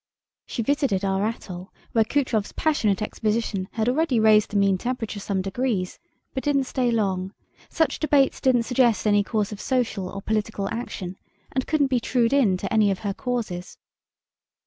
She visited our atoll, where Kutrov's passionate exposition had already raised the mean temperature some degrees, but didn't stay long. Such debates didn't suggest any course of social or political action, and couldn't be trued in to any of her causes.